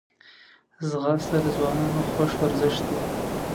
ځغاسته د ځوانانو خوښ ورزش دی